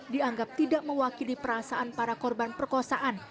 dianggap tidak mewakili perasaan para korban perkosaan